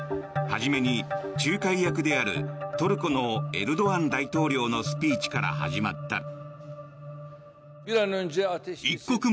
初めに仲介役であるトルコのエルドアン大統領のスピーチから始まった。